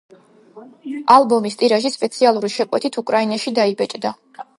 ალბომის ტირაჟი სპეციალური შეკვეთით უკრაინაში დაიბეჭდა.